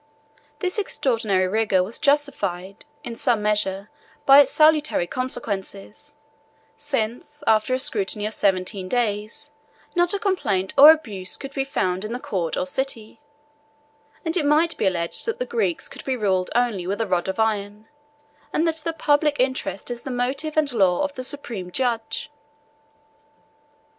This extraordinary rigor was justified, in some measure, by its salutary consequences; since, after a scrutiny of seventeen days, not a complaint or abuse could be found in the court or city; and it might be alleged that the Greeks could be ruled only with a rod of iron, and that the public interest is the motive and law of the supreme judge.